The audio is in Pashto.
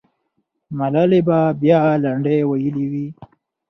ملالۍ به بیا لنډۍ ویلي وي.